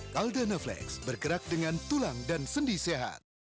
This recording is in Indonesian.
kaldenaflex bergerak dengan tulang dan sendi sehat